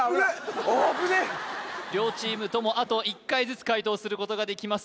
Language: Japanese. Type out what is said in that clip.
両チームともあと１回ずつ解答することができます